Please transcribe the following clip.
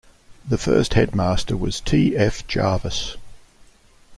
The first headmaster was T F Jarvis.